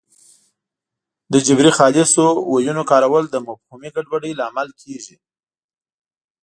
د جبري خالصو ویونو کارول د مفهومي ګډوډۍ لامل کېږي